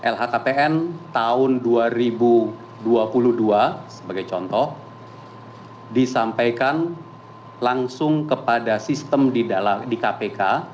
lhkpn tahun dua ribu dua puluh dua sebagai contoh disampaikan langsung kepada sistem di kpk